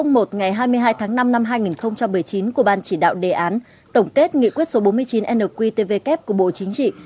ngày hai mươi hai tháng năm năm hai nghìn một mươi chín của ban chỉ đạo đề án tổng kết nghị quyết số bốn mươi chín nqtvk của bộ chính trị